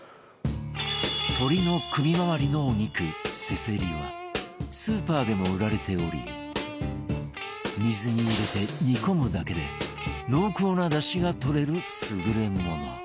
鶏の首回りのお肉、せせりはスーパーでも売られており水に入れて煮込むだけで濃厚なだしがとれる優れもの